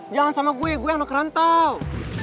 jangan sama gue gue yang ngekerantau